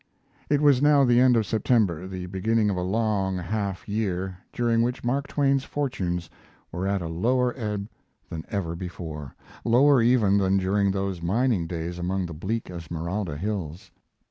It was now the end of September, the beginning of a long half year, during which Mark Twain's fortunes were at a lower ebb than ever before; lower, even, than during those mining days among the bleak Esmeralda hills.